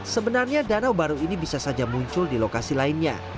sebenarnya danau baru ini bisa saja muncul di lokasi lainnya